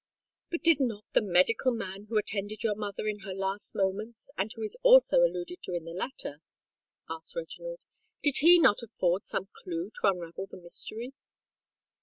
"But did not the medical man who attended your mother in her last moments, and who is also alluded to in the letter," asked Reginald,—"did he not afford some clue to unravel the mystery?"